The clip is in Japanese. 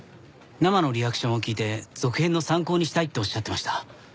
生のリアクションを聞いて続編の参考にしたいっておっしゃってました。